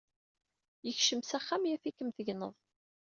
Yekcem s axxam yaf-ikem tegneḍ.